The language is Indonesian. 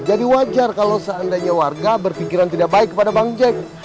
jadi wajar kalau seandainya warga berpikiran tidak baik kepada bang jek